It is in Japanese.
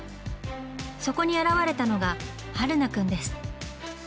そこに現れたのが榛名くんです。